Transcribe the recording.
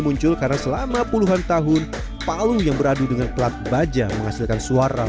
muncul karena selama puluhan tahun palu yang beradu dengan pelat baja menghasilkan suara